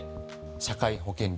社会保険料